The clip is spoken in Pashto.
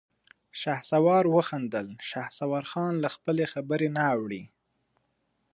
شهسوار وخندل: شهسوارخان له خپلې خبرې نه اوړي.